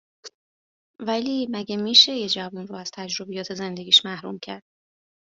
ولی مگه میشه یه جوون رو از تجربیات زندگیاش محروم کرد